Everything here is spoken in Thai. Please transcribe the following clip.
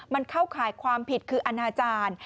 มันเข้าข่ายความผิดคืออนาจารย์